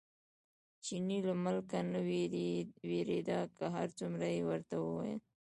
چیني له ملکه نه وېرېده، که هر څومره یې ورته وویل.